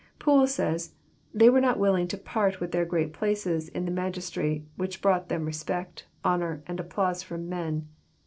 Poole says :" They were not willing to part with their great places in the magistracy, which brought them respect, honour, and applause A:om men.